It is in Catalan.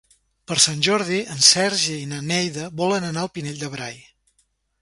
Per Sant Jordi en Sergi i na Neida volen anar al Pinell de Brai.